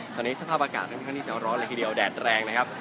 ตอนนี้สภาพอากาศค่อนข้างที่จะร้อนเลยทีเดียวแดดแรงนะครับ